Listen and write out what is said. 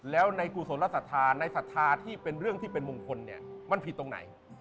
แล้วในกุศลสัทธาในสัทธาที่เป็นเรื่องที่เป็นมงคลมันผิดตรงไหน